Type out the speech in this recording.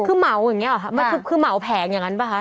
คือเหมาแผงอย่างนั้นป่ะ